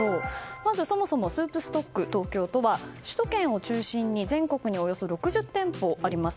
まず、そもそもスープストックトーキョーとは首都圏を中心に全国におよそ６０店舗あります。